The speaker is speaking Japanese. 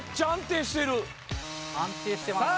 安定してますさあ